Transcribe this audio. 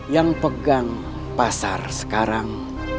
yang pegang pasar sekarang